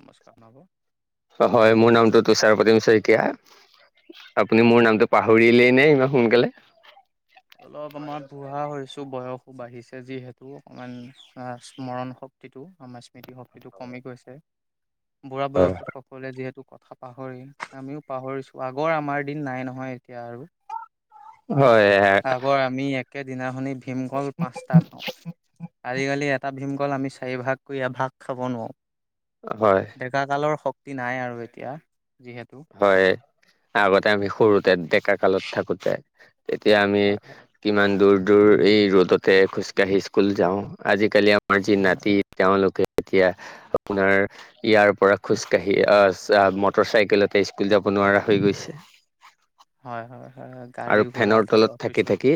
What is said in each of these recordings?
নমস্কাৰ নব হয় মোৰ নামটো তুষাৰপ্ৰতীম শইকীয়া আপুনি হয় মোৰ নামটো পাহৰিলেই নে ইমান সোনকালে অলপ মই বুঢ়া হৈ হৈচো বয়সো বাঢ়িছে যিহেতু অকণমান স্মৰণ শক্তিটো আমাৰ স্মৃতি শক্তিটো কমি গৈছে বুঢা হয় বয়সত সকলোৱে যিহেতু টো কথা পাহৰে আমিও পাহৰিছো আগৰ আমাৰ দিন নাই নহয় এতিয়া আৰু হয়। আগৰ আমি একেদিনাখনি ভীমকল পাঁচটা খাওঁ আজিকালি এটা ভীম কল চাৰি ভাগ কৰি এভাগ খাব নোৱাৰো হয় ডেকা কালৰ হক তি নাই আৰু এতিয়া যিহেতু হয় আগতে আমি সৰুতে ডেকা কালত থাকোতে এতিয়া আমি হয় কিমান দূৰ দূৰ এই ৰ'দতে খোজকাাঢ়ি স্কুল যাওঁ আজিকালি আ মাৰ যি নাতি তেওঁলোকে এতিয়া আপোনাৰ ইয়াৰ পৰা খোজকাঢ়ি আহ ছ মটৰ চাইকেলত এতে স্কুল যাব নোৱাৰা হৈ গৈছে হয় হয়। গাড়ী আৰু ঘোৰা ফেনৰ তলত থকাৰ থাকি পিছত থাকি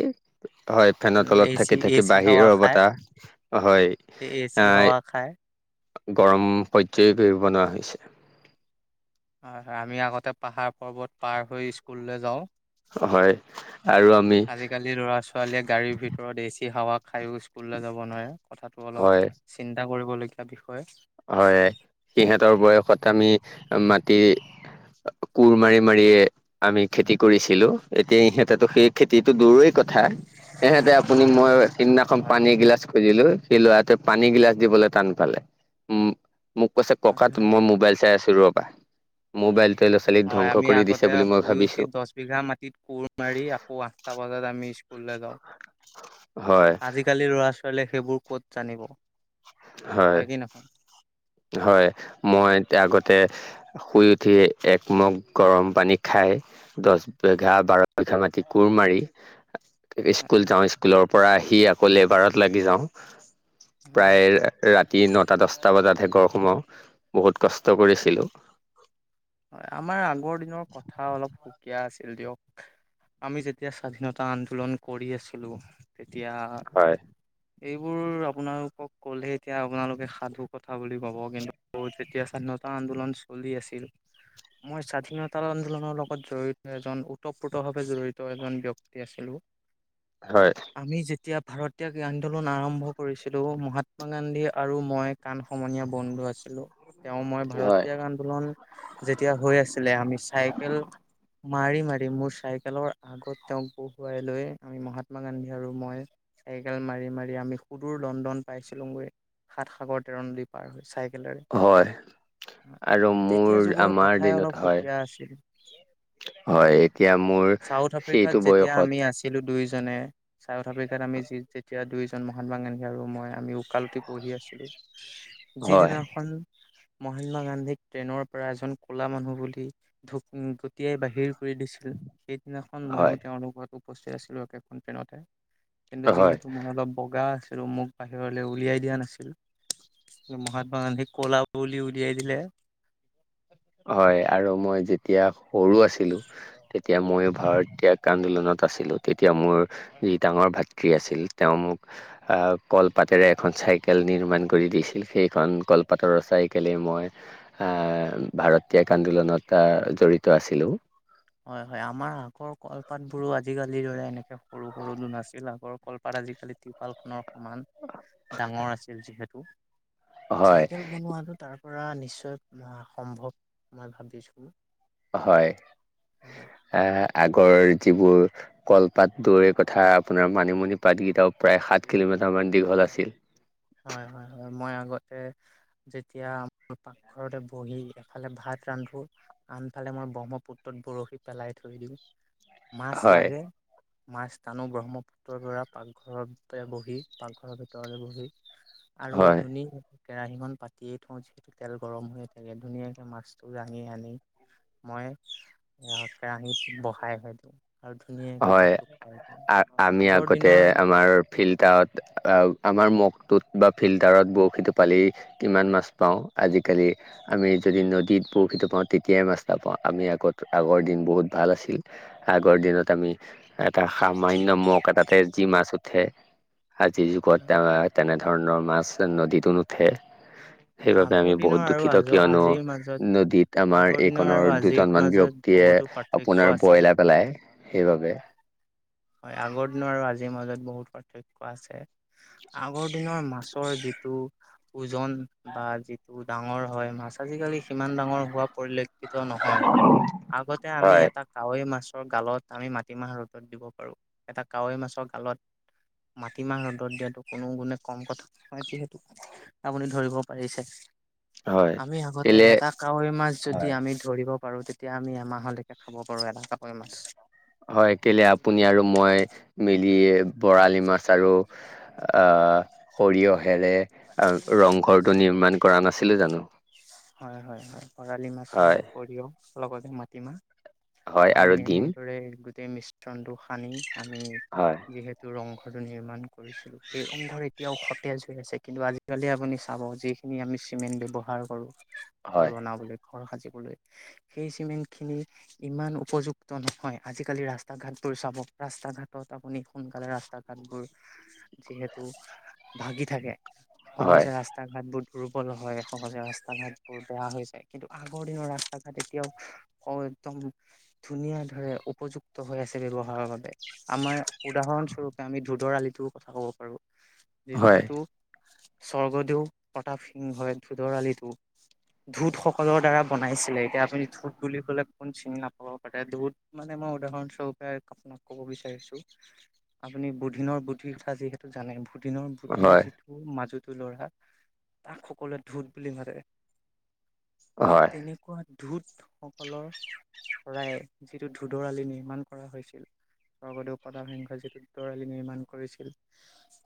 হয় ফেনৰ তলত থাকি এচি থাকি এচি হাৱা বাহিৰৰ খাই বতাহ হয় এই এ চি আহ হাৱা খায় গৰম পৰ্যায় বনোৱা হৈছে হয় হয় আমি আগতে পাহাৰ পৰ্বত পাৰ হৈ স্কুললৈ যাওঁ হয় আৰু আমি আজিকালি লৰা ছোৱালীয়ে গাড়ীৰ ভিতৰত এচি হাৱা খায়ো স্কুললৈ যাব নোৱাৰে কথাটো অলপ হয় চিন্তা কৰিবলগীয়া বিষয় হয় সিহঁতৰ বয়সত আমি মাটি কোৰ মাৰি মাৰিয়ে আমি খেতি কৰিছিলো এতিয়া ইহঁতেটো সেই খেতিতটো দূৰ কথা হেহেতে আপুনি মই সিদিনাখন হয় পানী এগিলাচ খুজিলো সেই লোৱাতে পানী গিলাচ দিবলৈ টান পালে উম। মোক কৈছে ককা হয়। মই মোবাইল চাই আছো ৰবা মোবাইল হয় আমি আগতে শুই উঠি দছ বিঘা মাটিত কোৰ মাৰি আকৌ আঠটা বজাত আমি স্কুল সুললা গাঁও হয় আজিকালি লৰা ছোৱালীয়ে সেইবোৰ কত জানিব, হয় কি নহয়? হয় মই আগতে শুই উঠি একমগ গৰম পানী খাই, দহ বিঘা বাৰ বিঘা মাটি কোৰ মাৰি হয় স্কুল হয় যাওঁ স্কুলৰ পৰা আহি আকৌ লেবাৰত লাগি যাওঁ হয়। প্ৰায় ৰাতি নটা দশটা বজাতহে ঘৰ সোমাও বহুত কষ্ট কৰিছিলোঁ। হয় আমাৰ আগৰ দিনৰ কথা অলপ সুকীয়া আছিল দিয়ক আমি যেতিয়া স্বাধীনতা আন্দোলন কৰি আছিলোঁ। এতিয়া হয় এইবোৰ আপোনালোকক কলে এতিয়া আপোনালোকে সাধু কথা বুলি কব কিন্তু যেতিয়া সাধত তা আন্দোলন চলি আছিল মই স্বাধীনতা আন্দোলনৰ লগত জড়িত এজন ওতঃপ্ৰোতভাৱে জড়িত এজন ব্যক্তি আছিলোঁ। হয়। এতিয়া ভাৰতীয় আন্দোলন আৰম্ভ কৰিছিলো মহাত্মা গান্ধী আৰু মই কাণ সমনীয়া বন্ধু মই আছিলোঁ। তেওঁ মই ভাৰত্যাগ আন্দোলন যেতিয়া হৈ আছিলে আমি চাইকেল মাৰি মাৰি মোৰ চাইকেলৰ আগত তেওঁক বহুৱাই লৈ আমি মহাত্মা গান্ধী আৰু মই চাইকেল মাৰি মাৰি আমি সুদূৰ লণ্ডন পাইছিলোগৈ সাত সাগৰ তেৰ ন দি পাৰ হৈ চাইকেল হয় আৰু মোৰ তেতিয়া যুগৰ আমাৰ কথাই দিনত অলপ হয় সুকীয়া আছিল। হয় এতিয়া মোৰ চাউথ আফ্ৰিকাত সেইটো যেতিয়া বয়সত আমি আছিলো দুইজন জনে ছাউথ আফ্ৰিকাত আমি যেতিয়া দুইজন মহাত্মা গান্ধী আৰু মই আমি উকাল উটি পঢ়ি আছিলো। হয় যিদিনাখন মহাত্মা গান্ধীক ট্ৰেইনৰ পৰা এজন কলা মানুহ বুলি ধ গতিয়াই বাহিৰ দিছিল সেইদিনাখন ময়ো হয় তেওঁৰ লগত উপস্থিত আছিলো একেখন ট্ৰেইনতে কিন্তু হয় যিহেতু মই অলপ বগা আছিলো মোক বাহিৰলৈ উলিয়াই দিয়া নাছিল মহাত্মা গান্ধী কলা বুলি উলিয়াই দিলে হয় আৰু মই যেতিয়া সৰু আছিলো তেতিয়া মইও ভাৰত্যাগ আন্দোলনত, আ তেতিয়া মোৰ যি ডাঙৰ ভাতৃ আছিল তেওঁ মোক কলপাতেৰে এখন চাইকেল নিৰ্মাণ কৰি দিছিল সেইখন কলপাতৰৰ চাইকেলে মই ভাৰত ত্যাগ আন্দোলনত জড়িত আছিলোঁ হয় হয় আমাৰ আগৰ কলপাত বোৰো আজিকালিৰ দৰে এনেকে সৰু সৰু নাছিল আগৰ কলপাত আজিকালি টিপালখনৰ সমান ডাঙৰ আছিল যিহেতু, হয় চাইকেল বনোৱাটো তাৰ পৰা নিশ্চয় সম্ভৱ মই ভাবিছোঁ হয়‌, হয় এ আজি ৰ যিবোৰ কলপাত দৌৰে কথা আপোনাৰ মানিমুনি পাত কেইটা প্ৰায় সাত কিলোমিটাৰ ইমান দীঘল আছিল হয় হয় হয় মই আগতে যেতিয়া পাকঘৰতে বহি এফালে ভাত ৰান্ধো আনফালে মই ব্ৰহ্মপুত্ৰত বৰশী পেলাই থৈ দিওঁ মাছ হয় লাগে মাছ তানো ব্ৰহ্মপুত্ৰৰ পৰা পাকঘৰতে বহি পাকঘৰৰ ভিতৰতে বহি আৰু হয় ধুনী কেৰাহীখন পাতিয়েই থওঁ যিহেতু তেল গৰম হৈয়ে থাকে ধুনীয়াকে মাছটো দাঙি আনি মই কেৰাহীত বহাই হয়তো ধুনীয়াকে হয় ভাতটো খায় আমি আগতে আমাৰ ফিল্টাৰ আমাৰ 'ত বা ফিল্টাৰত বৰশীটো পালেই কিমান মাছ পাওঁ আজিকালি আমি যদি নদীত বৰশীটোপাওঁ তেতিয়াই মাছ এটা পাওঁ আমি আগত আগৰ দিন বহুত ভাল আছিল আগৰ দিনত আমি এটা সামান্য মগ এতাতে যি মাছ উঠে, আজিৰ যুগত আহ তেনেধৰণৰ মাছ নদীতো নুঠে সেইবাবে আগৰ আমি বহুত দিনৰ আৰু দুখিত আজ কিয়নো আজিৰ মাজত নদীত আমাৰ আগৰ এই দিনৰ কনৰ আৰু আজিৰ দুজনমান মাজত ব্যক্তিয়েই বহুতো পাৰ্থক্য আপোনাৰ আছে বইলাই পেলাই সেইবাবে হয় আগৰ দিন আৰু আজিৰ মাজত বহুত পাৰ্থক্য আছে। আগৰ দিনৰ মাছৰ যিটো ওজন বা যিটো ডাঙৰ হয় মাছ আজিকালি সিমান ডাঙৰ হোৱা পৰিলক্ষ্য নহয় আগতে আমি হয় এটা কাৱৈ মাছ গালত আমি মাটিমাহ ৰ'দত দিব পাৰো এটা কাৱৈ মাছৰ গালত মাটিমাহ ৰ'দত দিয়াটো কোনো গুণে কম কথা নহয় যিহেতু আপুনি ধৰিব হয় আমি আগতে কেলে এটা কাৱৈ মাছ যদি হয় আমি ধৰিব পাৰ তেতিয়া আমি এমাহলৈকে খাব পাৰো এটা কাৱৈ মাছ হয় কেলে আপুনি আৰু মই মিলি বৰালি মাছ আৰু আহঁ সৰিয়হেৰে ৰংঘৰটো নিৰ্মাণ কৰা নাছিলো জানো হয় হয় হয় বৰালি মাছ আৰু হয় সৰিয়হ লগতে মাটিমাহ হয় আমি আৰু দিম এনেদৰে গোটেই মিশ্ৰণটো সানি আমি হয় যিহেতু ৰংঘ টো নিৰ্মাণ কৰিছিলো সেইসমূহত এতিয়াও সতেজ হৈ আছে কিন্তু আজিকালি আপুনি চাব যিখিনি আমি চিমেণ্ট ব্যৱহাৰ কৰোঁ ঘৰ হয় বনাবলৈ ৰ সাজিবলৈ সেই চিমেণ্ট খিনি ইমান উপযুক্ত নহয় আজিকালি ৰাস্তা ঘাট চাব ৰাস্তা ঘাটত আপুনি সোনকালে ৰাস্তা ঘাটবোৰ যিহেতু ভাগি থাকে হয় সহজে ৰাস্তা ঘাট বহু দুৰ্বল হয় সহজে ৰাস্তা ঘাট বোৰ বেয়া হৈ যায় কিন্তু আগৰ দিনৰ ৰাস্তা ঘাট এতিয়াও একদম ধুনীয়া ধৰে উপযুক্ত হৈ আছে ব্যৱহাৰৰ বাবে আমাৰ উদাহৰণ স্বৰূপে আমি ধোদৰ আলিটোৰ কথা ক'ব পাৰো হয় যেতিয়েতো স্বৰ্গদেউ প্ৰতাপ সিংহই হয় ধুদৰ আলিটো ধোত সকলৰ দ্বাৰা বনাইছিলে এতিয়া আপুনি ধোত বুলি কলে চিনি নাপাব পাৰে বহুত মানে মই উদাহৰণস্বৰূপে আপোনাক কব বিচাৰিছো আপুনি বুধিনৰ বুদ্ধিৰ কথা যিহেতু জানে দিনৰ বুদ্ধিৰ হয় যিটো মাজুটো ল'ৰা তাক সকলোৱে ধূত বুলি ভাবে সেই হয় তেনেকুৱা ন ধোত সকলৰ পৰাই যিটো ধোধৰ আলি নিৰ্মাণ কৰা হৈছিল। স্বৰ্গদেউ প্ৰদাপ সিংহই যিটো দূদৰ আলি নিৰ্মাণ কৰিছিল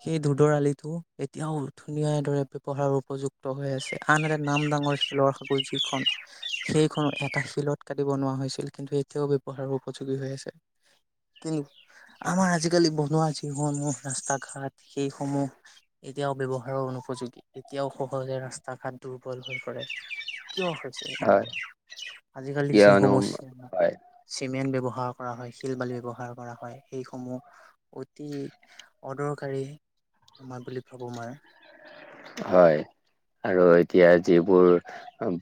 সেই দূদৰ আলিটো এতিয়াও ধুনীয়া দৰে ব্যৱহাৰ উপযুক্ত হৈ আছে আন এটা নাম দাং শিলৰ সাঁকোৰ যিখন সেইখনো এটা শিলত কাটি বনোৱা হৈছিল কিন্তু এতিয়াও উপহাৰ উপযোগী হৈ আছে কিন্তু আমাৰ আজিকালি বনোৱা যিসমূহ ৰাস্তা ঘাট সেই সমূহ এতিয়াও ব্যৱহাৰো অনুপযোগী এতিয়াও সহজে ৰাস্তা ঘাট দুৰ্বল হৈ পৰে কিয় হৈছে হয় এনেুৱা আজিকালি যি কিয়নো সমস্যা হয় চিমেণ্ট ব্যৱহাৰ ব্যৱহাৰ কৰা হয় শিল বালি ব্যৱহাৰ কৰা হয় সেইসমূহ অতি অদৰকাৰী আমাৰ বুলি ভাবোঁ মই হয় আৰু এতিয়া যিবোৰ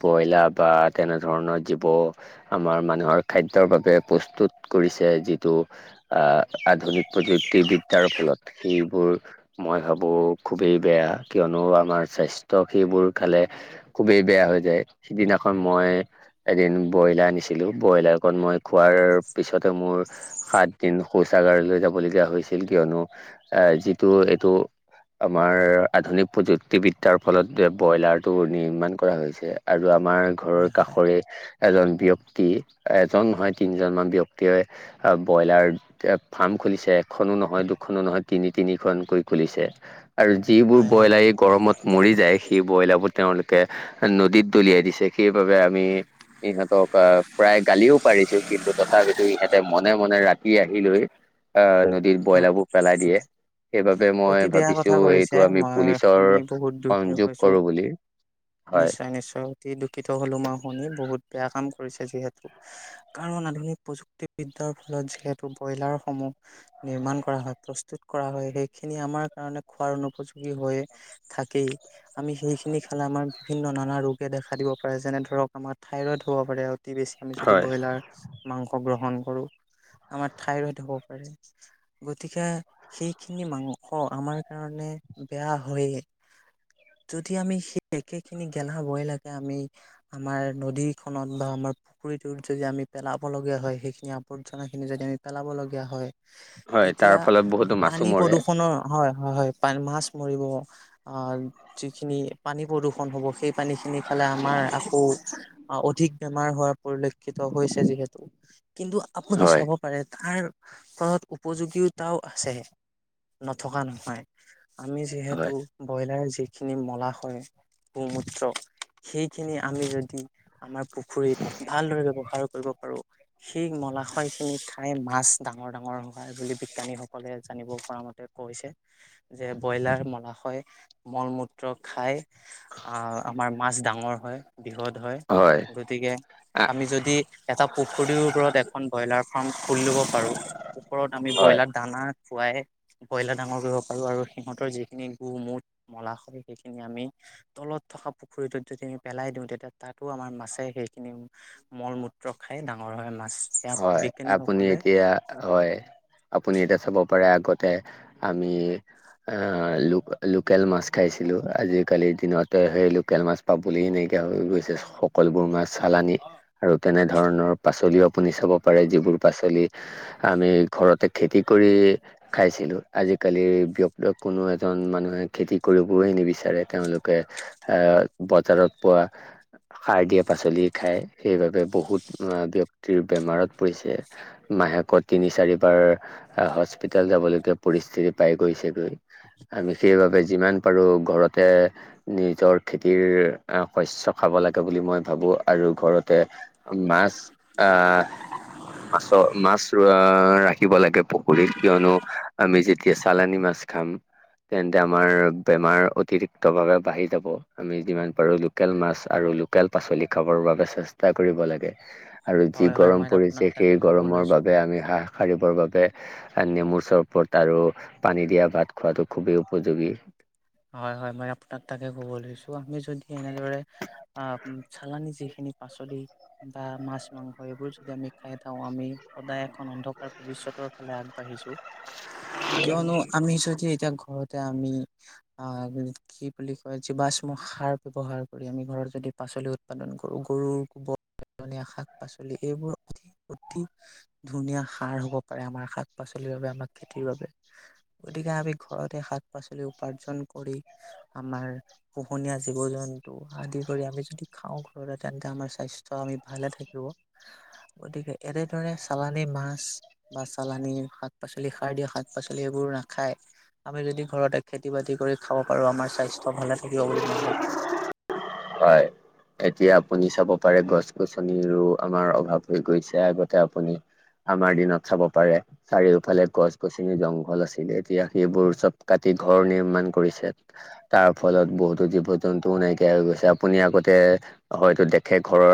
ব্ৰইলাৰ বা তেনে ধৰণৰ জীৱ আমাৰ মানুহৰ খাদ্যৰ বাবে প্ৰস্তুত কৰিছে যিটো আধুনিক প্ৰযুক্তিবিদ্যাৰ ফলত সেইবোৰ মই ভাবোঁ খুবেই বেয়া কিয়নো আমাৰ স্বাস্থ্য সেইবোৰ খালে খুবেই বেয়া হৈ যায় সিদিনাখন মই এদিন ব্ৰইলাৰ আনিছিলো ব্ৰইলাৰকত মই খোৱাৰ পিছতে মোৰ সাত দিন শোচ ছাগাৰলৈ যাবলগীয়া হৈছিল কিয়নো এ যিটো এইটো আমাৰ আধুনিক প্ৰযুক্তিবিদ্যাৰ ফলত ব্ৰইলাৰটো নিৰ্মাণ কৰা হৈছে আৰু আমাৰ ঘৰৰ হয় হয় কাষৰে এজন ব্যয়ক্তি কি এজন নহয় তিনিজনমানান ব্যক্তিয়ে ব্ৰইলাৰ এ ফাৰ্ম খুলিছে এখন নো নহয় দুখনো নহয় তিনি তিনিখনকৈ খুলিছে। আৰু যিবোৰ হয় হয় ব্ৰইলাৰী গৰমত মৰি যায় সেইবোৰ। বইলাৰাব তেওঁলোকে নদীত দলিয়াই দিছে সেইবাবে আমি ইহঁতক প্ৰায়। গালিও পাৰিছো কিন্তু তথাপিতো ইহঁতে মনে মনে ৰাতি। আহি লৈ আহ নদীৰ হয় ব্ৰইলাৰ বোৰ পেলাই দিয়ে সেইবাবে মই অতি বেয়া ভাবিছো কথা এইটো কৰিছে আমি মই পুলিচৰ শুনি বহুত দুখী সংযোগ হৈছোঁ। কৰো বুলি হয় নিশ্চয় নিশ্চয় অতি দুখিত হলো মই শুনি বহুত বেয়া কাম। কৰি চাইছোঁ হেত কাৰণ আধুনিক প্ৰযুক্তি বিদ্যাৰ ফলত যিহেতু ব্ৰইলাৰ সমূহ নিৰ্মাণ কৰা হয় প্ৰস্তুত কৰা হয় সেই খিনি আমাৰ কাৰণে খোৱাৰ অনুপযোগী হৈ থাকেই আমি সেইখিনি খালে আমাৰ বিভিন্ন নানা ৰোগে দেখা দিব পাৰে যেনে ধৰক আমাৰ থাইৰইড হ'ব পাৰে। অতি বেছি আমি যদি হয় ব্ৰইলাৰ মাংস গ্ৰহ। গ্ৰহণ কৰোঁ আমাৰ থাইৰদ হ'ব পাৰে গতিকে সেই খিনি মাংস আমাৰ কাৰণে বেয়া হয়য়ে। যদি আমি সেই একেখিনি গেলা বইলাকে লাগে আমি আমাৰ নদীখনত বা আ আমাৰ পুখুৰীটোত যদি আমি পেলাবলগীয়া হয় সেইখিনি আৱৰ্জনাখিনি যদি আমি পেলাবলগীয়া হয়। হয় তেতিয়া তাৰ ফলত বহুতো মাছ পানী প্ৰদূষণৰ হয় হয় হয় মাছ মৰিব। যিখিনি পানী প্ৰদূষণ হ'ব সেই পানী খিনি খালে আমাৰ আকৌ বা অধিক বেমাৰ হোৱা পৰিলক্ষিত হৈছে যিহেতু কিন্তু আপুনি হয় চাব পাৰে তাৰ ফলত উপযোগীতাও আছে নথকা নহয়। আমি যিহেতু হয় ব্ৰইলাৰ যিখিনি মলা হয় গোমূত্ৰ সেইখিনি আমি যদি আমাৰ পুখুৰীত ভালদৰে ব্যৱহাৰ কৰিব পাৰো। সেই মলাশয় খিনি ঠাই মাছ ডাঙৰ ডাঙৰ হয় বুলি বিজ্ঞানীসকলে জানিব পৰা মতে কৈছে যে ব্ৰইলাৰ মলাশয় মল মূত্ৰ খাই। আহ আমাৰ মাছ ডাঙৰ হয় বৃহৎ হয়। গতিকে আহ আমি যদি এটা পুখুৰীৰ ওপৰত এখন ব্ৰইলাৰ ফাৰ্ম খুলি লব পাৰোঁ। ওপৰত আমি হয় ব্ৰইলাৰ দানা। খুৱাই ব্ৰইলাৰ ডাঙৰ কৰিব পাৰোঁ। আৰু সিহঁতৰ যিখিনি গু মূঠ মলা হয়। সেইখিনি আমি তলত থকা পুখুৰীটোত যদি আমি পেলাই দিওঁ তেতিয়া তাতো আমাৰ মাছে সেইখিনি মলমূত্ৰ। ৰখাই ডাঙৰ হয় মাছ সেয়া হয় আপুনি বিজ্ঞানীসকলে এতিয়া হয় আপুনি এতিয়া চাব। পৰা আগতে আমি আহ ল লোকেল মাছ খাইছিলো আজিকালিৰ দিনতে সেই লোকেল মাছ পাবলৈ নাই। এতি গৈছে সকলোবোৰ মাছ চালানি আৰু তেনে ধৰণৰ পাচলি আপুনি চাব পাৰে যিবোৰ পাচলি আমি ঘৰতে খেতি কৰি খাইছিলো আজি আজিকালি ব্যক্ত কোনো এজন মানুহে খেতি কৰিবয়ই নিবিচাৰে তেওঁলোকে আহ বজাৰত পোৱা সাৰ দিয়া পাচলি খাই সেইবাবে বহুত বক্ত। বেমাৰত পৰিছে মাহেকত তিনি চাৰিবাৰ হস্পিতাল যাবলৈকে পৰি ছিৰি পাই গৈছেগৈ। আমি সেইবাবে যিমান পাৰো ঘৰতে নিজৰ খেতিৰ শস্য খাব। হ'ব লাগে বুলি মই ভাবোঁ আৰু ঘৰতে মাছ আ। মাছৰ মাছ ৰাখিব লাগে পুখুৰীত কিয়নো আমি যেতিয়া চালানী মাছ মাছ খাম তেন্তে আমাৰ বেমাৰ অতিৰিক্ত ভাৱে বাঢ়ি যাব আমি যিমান পাৰো লোকেল মাছ আৰু লোক পাচলি খাব বাবে চেষ্টা কৰিব লাগে। আৰু যি হয় হয় গৰম মই আপোনাক পৰিছে তাকে সেই ক'ব গৰমৰ লৈছোঁ বাবে আমি হাঁহ সাৰিবৰ বাবে। নেমুৰ চৰবত আৰু পানী দিয়া ভাত খোৱাটো খুবেই উপযোগী। হয়, হয় মই আপোনাক তাকে ক'ব লৈছো। আমি যদি এনেদৰে আ চালানি যিখিনি পাচলি বা মাছ- মাংস হয়, এইবোৰ যদি আমি খাই থাকো আমি সদায় এখন অন্ধকাৰ ভৱিষ্যতৰ ফালে আগবাঢ়িছো। কিয়নো আমি যদি এতিয়া ঘৰতে আমি আহ কি বুলি কয় জীৱাশ্ম সাৰ ব্যৱহাৰ কৰি আমি ঘৰত যদি পাচলি উৎপাদন কৰো। সৰুৰ কোবৰ পনীয়া শাক- পাচলি এইবোৰ অতি অতি ধুনীয়া সাৰ হ'ব পাৰে আমাৰ শাক-পাচলি। আমাক খেতিৰ বাবে গতিকে আমি ঘৰতে শাক পাচলি উপাৰ্জন আমাৰ পোহনীয়া জীৱ-জন্তু আদি কৰি আমি যদি খাওঁ ঘৰলৈ তেন্তে আমাৰ স্বাস্থ্য আমি ভালে থাকিব। গতিকে এনেদৰে চালানি মাছ বা চালানি শাক পাচলি সাৰ দিয়া শাক পাচলি এইবোৰ নাখায় আমি যদি ঘৰতে খেতি বাতি কৰি খাব পাৰো আমাৰ স্বাস্থ্য ভালে থাকিব বুলি মই ভাবো। হয়। এতিয়া আপুনি চাব পাৰে গছ গছনিৰো আমাৰ অভাৱ হৈ গৈছে। আগতে আপুনি আমাৰ দিনত চাব পাৰে চাৰিওফালে গছ-গছনি জংঘল আছিলে এতিয়া সেইবোৰ চব কাটি ঘৰ নিৰ্মাণ কৰিছে তাৰ ফলত বহুতো জীৱ-জন্তুও নাইকিয়া হৈ গৈছে। আপুনি আগতে হয়তো দেখে ঘৰৰ